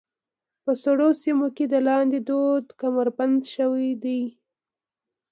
په سړو سيمو کې د لاندي دود کمرنګه شوى دى.